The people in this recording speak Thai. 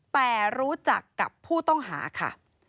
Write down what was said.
แต่รู้จักกับผู้ต้องหาค่ะ